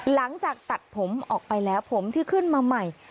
หลังจากตัดผมออกไปแล้วผมที่ขึ้นมาใหม่